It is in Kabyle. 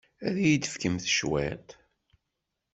Ad iyi-d-tefkemt cwiṭ?